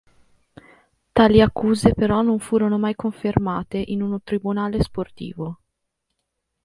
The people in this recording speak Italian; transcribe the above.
Tali accuse, però, non furono mai confermate in un tribunale sportivo.